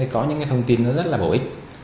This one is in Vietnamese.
có những cái thông tin rất là bổ ích